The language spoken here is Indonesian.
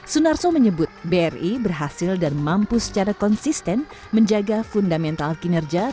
sunarso menyebut bri berhasil dan mampu secara konsisten menjaga fundamental kinerja